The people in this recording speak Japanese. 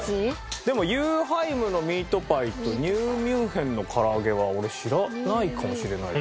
でもユーハイムのミートパイとニューミュンヘンの唐揚は俺知らないかもしれないです。